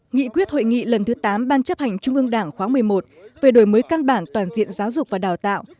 nghị quyết hội nghị lần thứ tám ban chấp hành trung ương đảng khóa một mươi một về đổi mới căn bản toàn diện giáo dục và đào tạo